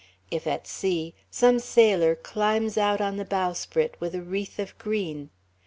If at sea, some sailor climbs out on the bowsprit with a wreath of green.